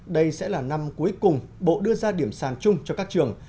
đây sẽ là năm cuối cùng bộ đưa ra điểm sàn chung cho các trường